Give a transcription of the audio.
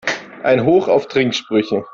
Ein Hoch auf Trinksprüche!